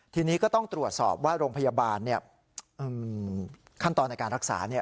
ทีนี้ก็ต้องตรวจสอบว่าโรงพยาบาลขั้นตอนในการรักษา